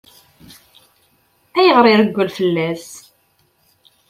Ayɣer i ireggel fell-as?